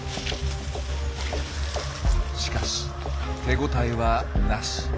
しかし手応えはなし。